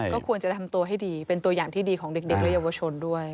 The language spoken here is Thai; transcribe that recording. ก็ควรจะทำตัวให้ดีเป็นตัวอย่างที่ดีของเด็กและเยาวชนด้วย